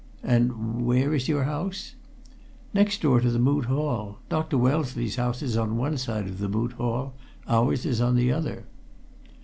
"And where is your house?" "Next door to the Moot Hall. Dr. Wellesley's house is on one side of the Moot Hall; ours is on the other."